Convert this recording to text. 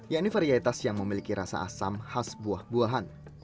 yakni varietas yang memiliki rasa asam khas buah buahan